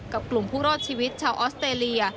กลุ่มผู้รอดชีวิตชาวออสเตรเลีย